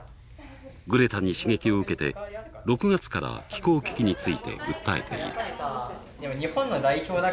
グレタに刺激を受けて６月から気候危機について訴えている。